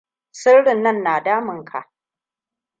Sirrin nan na damun ka.